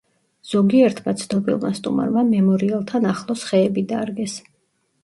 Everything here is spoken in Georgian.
ზოგიერთმა ცნობილმა სტუმარმა მემორიალთან ახლოს ხეები დარგეს.